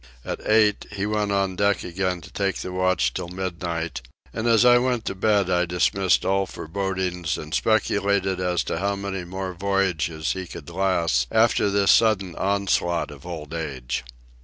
At eight he went on deck again to take the watch till midnight, and as I went to bed I dismissed all forebodings and speculated as to how many more voyages he could last after this sudden onslaught of old age.